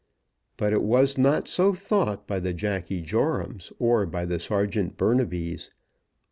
But it was not so thought by the Jacky Jorams or by the Serjeant Burnabys.